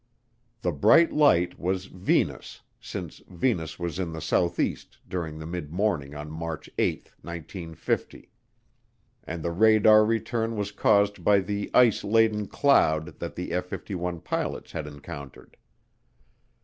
The bright light was Venus since Venus was in the southeast during midmorning on March 8, 1950, and the radar return was caused by the ice laden cloud that the F 51 pilots had encountered.